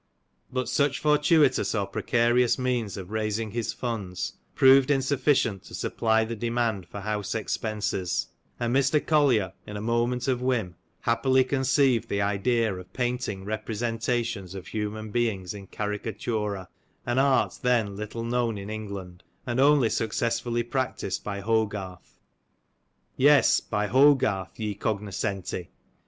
But such fortuitous or precarious means of raising his funds, proved insufficient to supply the demand for house expences ; and Mr. Collier in a moment of whim, happily conceived the idea of painting representations of human beings in caricatura, an art then little known in England, and only successfully practised by Hogarth. Yes, by Hogarth, ye cognoscenti!